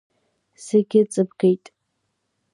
Зегь ыҵабгеит.